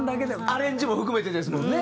アレンジも含めてですもんね。